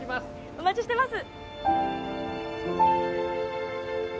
お待ちしてます。